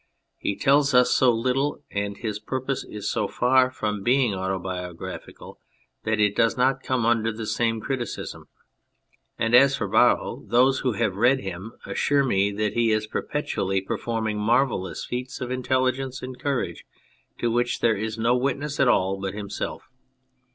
he tells us so little, and his purpose is so far from being autobiographical that it does not come under the same criticism ; and as for Borrow, those who have read him assure me that he is per petually performing marvellous feats of intelligence and courage to which there is no witness at all but himself.